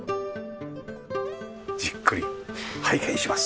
じっくり拝見します。